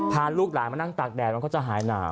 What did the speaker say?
ลูกหลานมานั่งตากแดดมันก็จะหายหนาว